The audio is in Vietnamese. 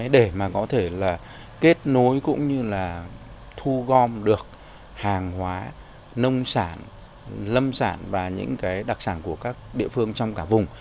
để mà có thể là kết nối cũng như là thu gom được hàng hóa nông sản lâm sản và những cái đặc sản của các địa phương trong cả vùng